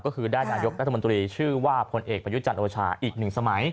ก็คือได้นายกรัฐมนตรีชื่อว่าพลเอกประยุจันทร์โอชาอีกหนึ่งสมัย